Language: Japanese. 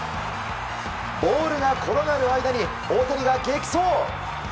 ボールが転がる間に大谷が激走。